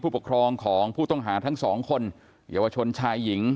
ปกครองของผู้ต้องหาทั้งสองคนเยาวชนชายหญิง